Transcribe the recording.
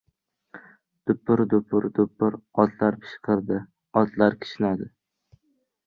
Dupur-dupur-dupur... Otlar pishqirdi, otlar kishnadi.